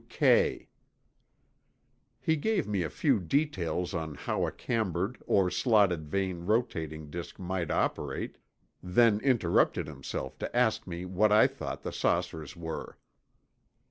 W. Kay." He gave me a few details on how a cambered or slotted vane rotating disk might operate, then interrupted himself to ask me what I thought the saucers were.